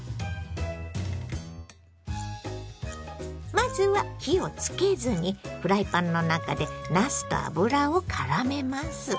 まずは火をつけずにフライパンの中でなすと油をからめます。